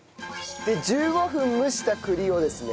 １５分蒸した栗をですね